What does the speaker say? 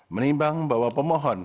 menimbang bahwa pemohon